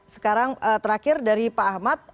sekarang terakhir dari pak ahmad